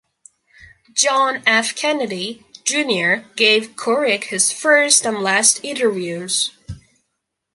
John F. Kennedy, Junior gave Couric his first and last interviews.